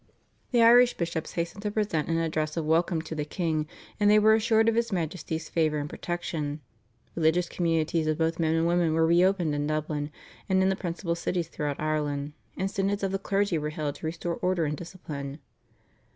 The Irish bishops hastened to present an address of welcome to the king, and they were assured of his Majesty's favour and protection. Religious communities of both men and women were re opened in Dublin, and in the principal cities throughout Ireland, and synods of the clergy were held to restore order and discipline.